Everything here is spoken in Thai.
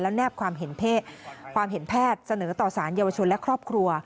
และแนบความเห็นแพทย์เสนอต่อสารเยาวชนและครอบครัว